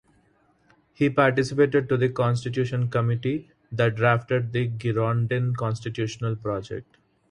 He participated to the Constitution Committee that drafted the Girondin constitutional project.